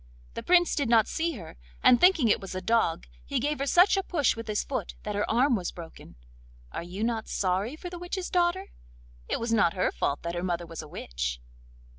The Prince did not see her, and thinking it was a dog, he gave her such a push with his foot that her arm was broken. Are you not sorry for the witch's daughter? It was not her fault that her mother was a witch.